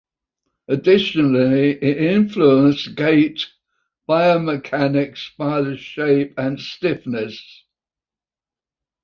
Additionally it influences gait biomechanics by its shape and stiffness.